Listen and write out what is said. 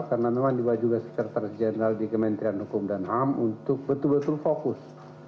karena memang dibawa juga sekretaris jenderal di kementerian hukum dan ham untuk betul betul fokus